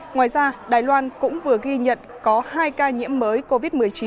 ngoài ra đài loan cũng vừa ghi nhận có hai ca nhiễm mới covid một mươi chín